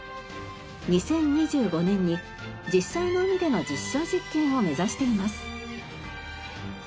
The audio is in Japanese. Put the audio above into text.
２０２５年に実際の海での実証実験を目指しています。